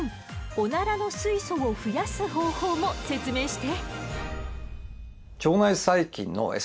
オナラの水素を増やす方法も説明して！